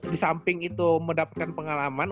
di samping itu mendapatkan pengalaman